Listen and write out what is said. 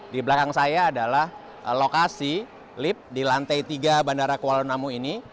di belakang saya adalah lokasi lift di lantai tiga bandara kuala namu ini